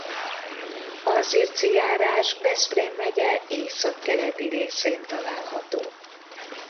A Zirci járás Veszprém megye északkeleti részén található.